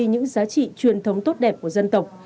những giá trị truyền thống tốt đẹp của dân tộc